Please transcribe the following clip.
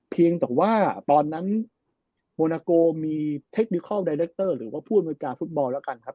เพียงแต่ว่าตอนนั้นโมนาโกมีหรือว่าผู้อำนวยการฟุตบอลแล้วกันครับ